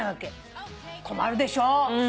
困るでしょ。